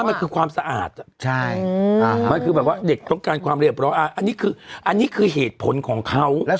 ไม่ว่าถ้าผู้หญิงต่อให้ตัดสั้นเห่า